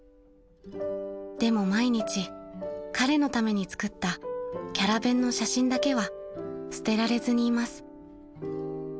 ［でも毎日彼のために作ったキャラ弁の写真だけは捨てられずにいます］